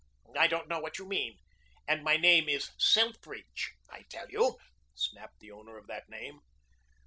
"I don't know what you mean. And my name is Selfridge, I tell you," snapped the owner of that name.